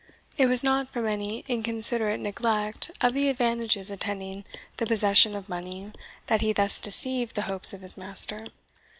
It was not from any inconsiderate neglect of the advantages attending the possession of money that he thus deceived the hopes of his master.